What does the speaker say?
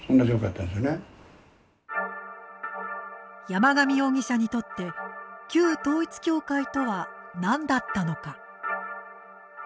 山上容疑者にとって旧統一教会とはなんだったのか。